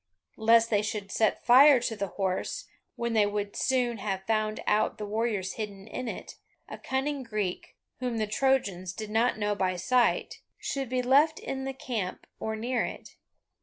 Lest they should set fire to the horse, when they would soon have found out the warriors hidden in it, a cunning Greek, whom the Trojans did not know by sight, should be left in the camp or near it.